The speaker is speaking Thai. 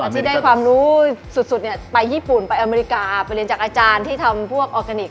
ที่ได้ความรู้สุดไปญี่ปุ่นไปอเมริกาไปเรียนจากอาจารย์ที่ทำพวกออร์แกนิค